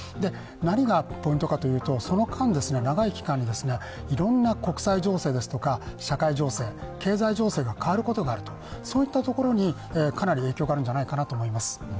何がポイントかというと、その間、長い期間にいろんな国際情報とか社会情勢、経済情勢が変わることになる、そういったところにかなり影響があるんじゃないかなと思います。